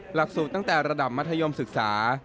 หลักสูตรตั้งแต่ระดับมัธยมศึกษา